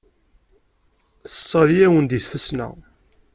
Tesseɣli-awen deg tfesna.